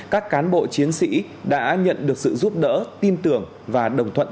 các cán bộ chiến sĩ đã nhận được sự giúp đỡ tin tưởng và đồng thuận